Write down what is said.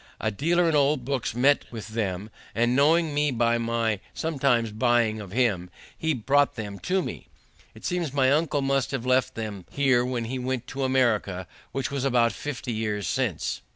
A dealer in old books met with them, and knowing me by my sometimes buying of him, he brought them to me. It seems my uncle must have left them here when he went to America, which was about fifty years since.